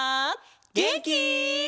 げんき？